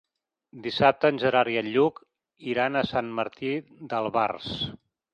Dissabte en Gerard i en Lluc iran a Sant Martí d'Albars.